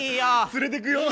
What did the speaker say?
連れてくよ？